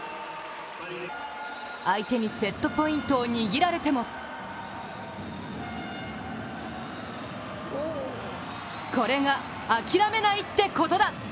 相手にセットポイントを握られてもこれが諦めないってことだ！